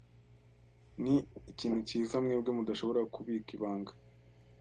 Ni ikintu cyiza mwebwe mudashobora kubika ibanga.